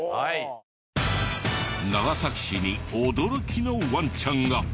長崎市に驚きのワンちゃんが！